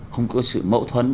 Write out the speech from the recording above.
không có sự mẫu thuẫn